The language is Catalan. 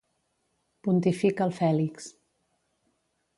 Pontifica el Fèlix.